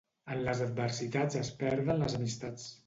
En les adversitats es perden les amistats.